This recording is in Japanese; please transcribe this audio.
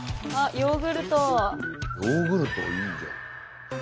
ヨーグルトいいじゃん。